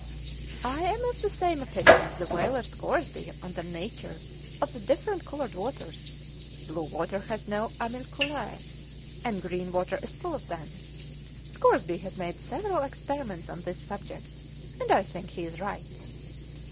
"I am of the same opinion as the whaler Scoresby on the nature of the different coloured waters; blue water has no animalculae, and green water is full of them. Scoresby has made several experiments on this subject, and I think he is right."